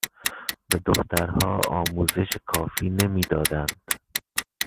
به دخترها آموزش کافی نمیدادند.